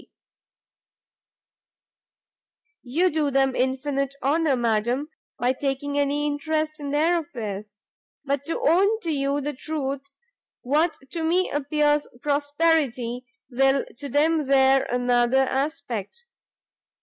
"You do them infinite honour, madam, by taking any interest in their affairs; but to own to you the truth, what to me appears prosperity, will to them wear another aspect.